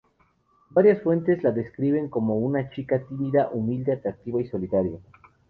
Varias fuentes la describen como una chica tímida, humilde, atractiva y solitaria.